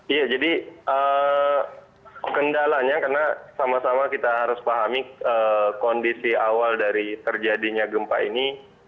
iya jadi kendalanya karena sama sama kita harus pahami kondisi awal dari terjadinya gempa ini